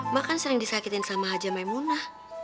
emak kan sering disakitin sama haja maimunah